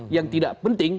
yang tidak penting